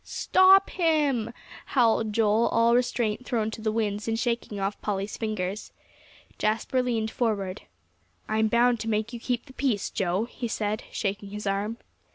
"Stop him," howled Joel, all restraint thrown to the winds, and shaking off Polly's fingers. Jasper leaned forward. "I'm bound to make you keep the peace, Joe," he said, shaking his arm.